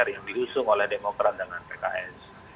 yang diusung oleh demokrat dengan pks